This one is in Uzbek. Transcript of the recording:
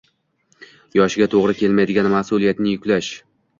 Yoshiga to‘g‘ri kelmaydigan masʼuliyatni yuklash